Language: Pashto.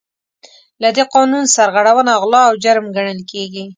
له دې قانون سرغړونه غلا او جرم ګڼل کیږي.